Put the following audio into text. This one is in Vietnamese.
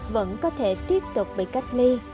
vẫn có thể tiếp tục bị cách ly